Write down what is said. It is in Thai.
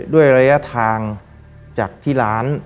ด้วยระยะทางจากที่ร้าน